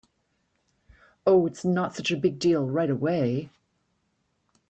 Oh, it’s not such a big deal right away.